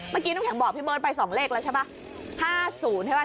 เมื่อกี้น้องแข็งบอกพี่เบิร์ดไป๒เลขแล้วใช่ปะ